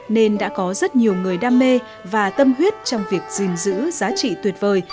nên đã có rất nhiều người đam mê và tâm huyết trong việc gìn giữ giá trị tuyệt vời